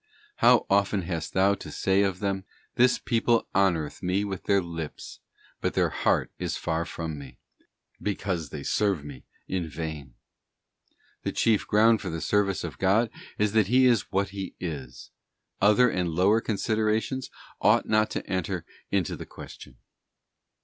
How often hast Thou to say of them: 'This people honoureth Me with their lips, but their heart is Chief ground far from Me,' § because they serve Me in vain? The chief Sa chat, Ground for the service of God is that He is what He is. Other and lower considerations ought not to enter into the question.